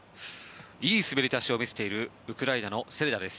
いい滑り出しを見せているウクライナのセレダです。